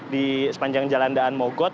di sepanjang jalandaan mogot